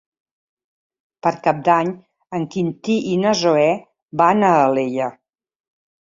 Per Cap d'Any en Quintí i na Zoè van a Alella.